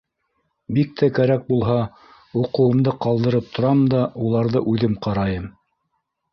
Бик тә кәрәк булһа, уҡыуымды ҡалдырып торам да, уларҙы үҙем ҡарайым.